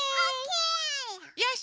よし！